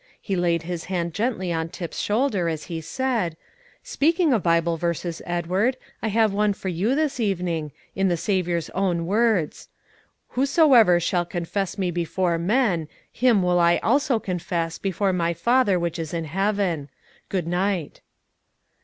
He laid his hand gently on Tip's shoulder, as he said, "Speaking of Bible verses, Edward, I have one for you this evening, in the Saviour's own words: 'Whosoever shall confess Me before men, him will I also confess before My Father which is in heaven.' Good night."